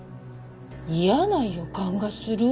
「嫌な予感がする」？